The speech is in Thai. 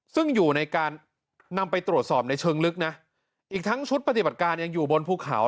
ซึ่งอยู่ในการนำไปตรวจสอบในเชิงลึกนะอีกทั้งชุดปฏิบัติการยังอยู่บนภูเขา